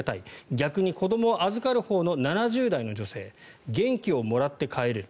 逆に子どもを預かるほうの７０代女性元気をもらって帰れる。